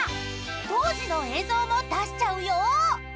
［当時の映像も出しちゃうよ］